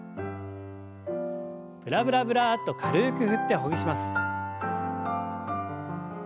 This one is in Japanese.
ブラブラブラッと軽く振ってほぐします。